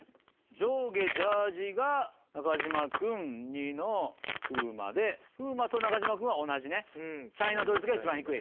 上下ジャージが中島君ニノ風磨で風磨と中島君は同じねチャイナドレスが一番低い。